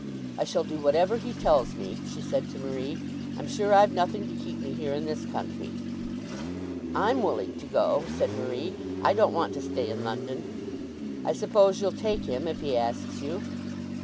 "I shall do whatever he tells me," she said to Marie. "I'm sure I've nothing to keep me here in this country." "I'm willing to go," said Marie. "I don't want to stay in London." "I suppose you'll take him if he asks you?"